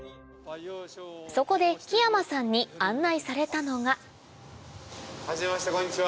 そこで木山さんに案内されたのがはじめましてこんにちは。